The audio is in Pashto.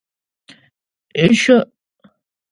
ښورښونو د جوړولو لپاره وسیله درلوده.